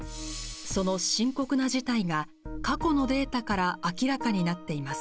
その深刻な事態が過去のデータから明らかになっています。